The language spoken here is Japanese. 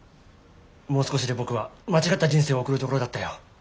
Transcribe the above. もう少しで僕は間違った人生を送るところだったよ。